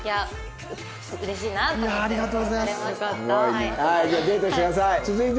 はいじゃあデートしてください。